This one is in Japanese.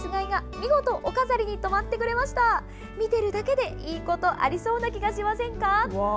見てるだけでいいことありそうな気がしませんか？